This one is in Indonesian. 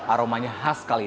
aromanya khas sekali